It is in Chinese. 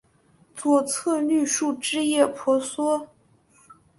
左侧绿树枝叶婆娑